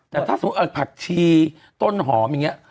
แต่ถ้าสมมุติผักชีต้นหอมอย่างนี้